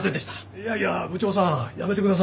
いやいや部長さんやめてください。